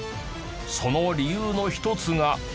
その理由の一つが。